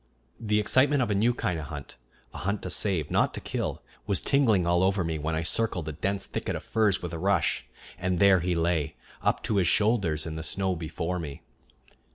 The excitement of a new kind of hunt, a hunt to save, not to kill, was tingling all over me when I circled a dense thicket of firs with a rush, and there he lay, up to his shoulders in the snow before me.